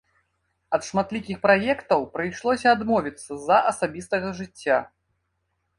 Ад шматлікіх праектаў прыйшлося адмовіцца з-за асабістага жыцця.